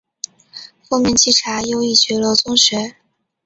奉命稽查右翼觉罗宗学。